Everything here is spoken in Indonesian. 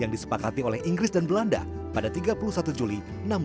yang disepakati oleh inggris dan belanda pada tiga puluh satu juli seribu enam ratus enam puluh